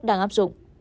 đang áp dụng